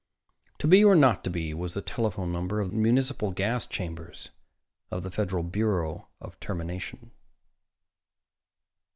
"To be or not to be" was the telephone number of the municipal gas chambers of the Federal Bureau of Termination.